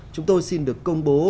chúng tôi xin được công bố